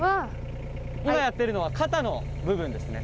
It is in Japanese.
今やっているのは肩の部分ですね。